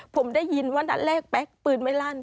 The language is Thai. ผมได้ยินว่านัดแรกแป๊กปืนไม่ลั่น